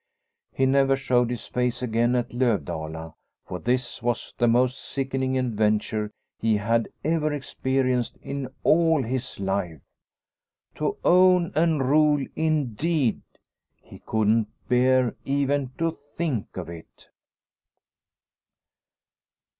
He never showed his face again at Lovdala, for this was the most sickening adventure he had ever experienced in all his life. To own and rule indeed ! He couldn't bear even to think of it.